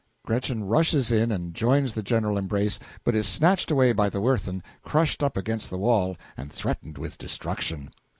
(GRETCHEN rushes in and joins the general embrace, but is snatched away by the WIRTHIN, crushed up against the wall, and threatened with destruction.)